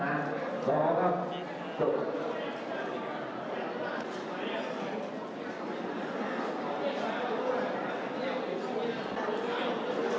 น้องน้องจะพูดหนึ่งนะครับร่างกายสูงรุ่นเสียงแรงนะครับ